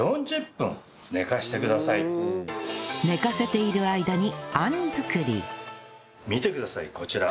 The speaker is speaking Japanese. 寝かせている間に見てくださいこちら。